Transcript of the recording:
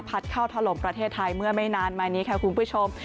เข้าถล่มประเทศไทยเมื่อไม่นานมานี้ค่ะคุณผู้ชม